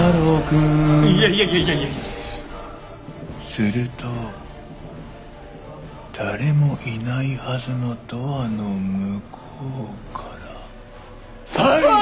すると誰もいないはずのドアの向こうからはい！